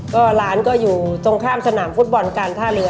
ป๊ายังชลองแน่